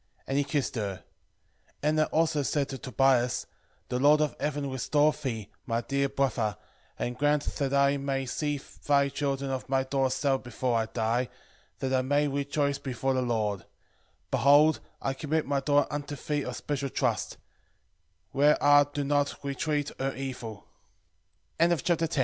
And he kissed her. Edna also said to Tobias, The Lord of heaven restore thee, my dear brother, and grant that I may see thy children of my daughter Sara before I die, that I may rejoice before the Lord: behold, I commit my daughter unto thee of special trust; where are do not entreat